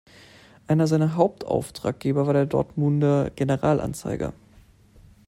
Einer seiner Hauptauftraggeber war der "Dortmunder General-Anzeiger".